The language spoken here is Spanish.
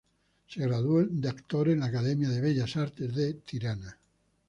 Se graduó de actor en la Academia de Bellas Artes de Tirana.